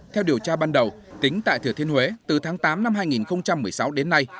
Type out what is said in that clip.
theo điều tra ban đầu tính tại thừa thiên huế từ tháng tám năm hai nghìn một mươi sáu